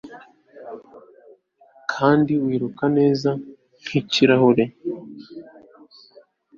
Kandi wiruka neza nkikirahure